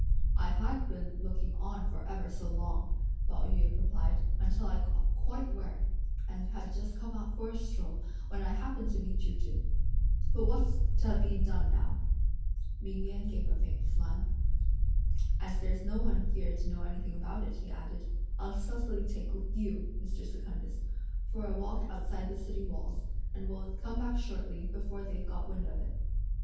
"I had been looking on for ever so long," Pao yü replied, "until I got quite weary; and had just come out for a stroll, when I happened to meet you two. But what's to be done now?" Ming Yen gave a faint smile. "As there's no one here to know anything about it," he added, "I'll stealthily take you, Mr. Secundus, for a walk outside the city walls; and we'll come back shortly, before they've got wind of it."